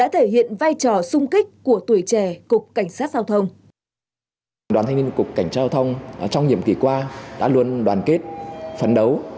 thể hiện vai trò sung kích của tuổi trẻ cục cảnh sát giao thông